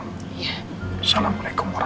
gak ada yang mau berbicara